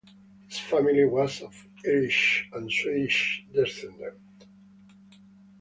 His family was of Irish and Swedish descent.